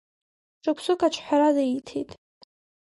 Шықәсык аҽҳәара риҭеит…